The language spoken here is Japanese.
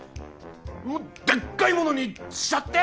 もうでっかいものにしちゃって！